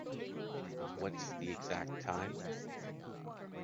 What’s the exact time?